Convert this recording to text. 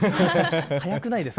早くないですか？